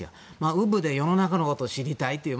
うぶで世の中のことを知りたいという。